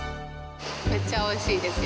めっちゃおいしいですよ。